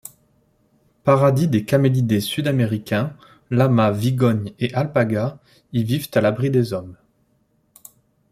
Paradis des camélidés sud-américains, lamas, vigognes et alpagas y vivent à l'abri des hommes.